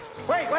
はい！